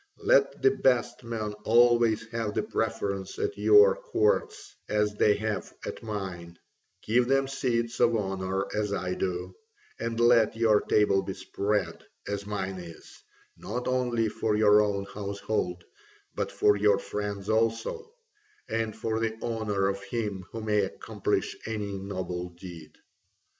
Let the best men always have the preference at your courts as they have at mine, give them seats of honour as I do, and let your table be spread, as mine is, not only for your own household, but for your friends also, and for the honour of him who may accomplish any noble deed.